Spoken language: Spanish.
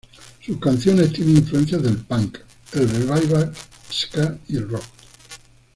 Sus canciones tienen influencia del punk, el revival ska y el rock.